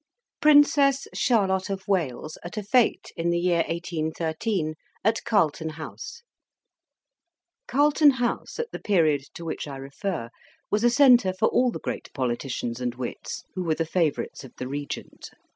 PRINCESS CHARLOTTE OF WALES AT A FETE IN THE YEAR 1813, AT CARLTON HOUSE Carlton House, at the period to which I refer, was a centre for all the great politicians and wits who were the favorites of the Regent.